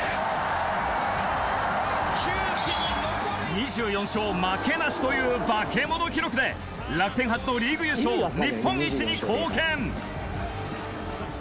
２４勝負けなしという化け物記録で楽天初のリーグ優勝日本一に貢献。